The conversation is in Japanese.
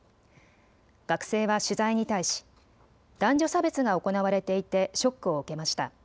学生は取材に対し男女差別が行われていてショックを受けました。